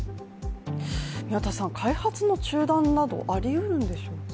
宮田さん、開発の中断などありうるんでしょうか？